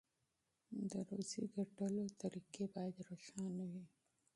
مالي پالیسي باید روښانه وي.